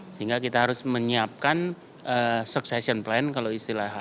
sehingga kita harus menyiapkan succession plan kalau istilah hr nya